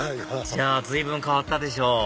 じゃあ随分変わったでしょ